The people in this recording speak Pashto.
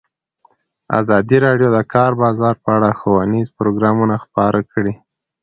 ازادي راډیو د د کار بازار په اړه ښوونیز پروګرامونه خپاره کړي.